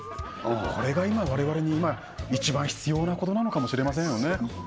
これが今我々に今一番必要なことなのかもしれませんよね